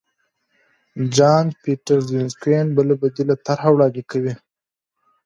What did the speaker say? جان پیټرسزونکوین بله بدیله طرحه وړاندې کړه.